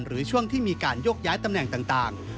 ช่วงที่มีการโยกย้ายตำแหน่งต่าง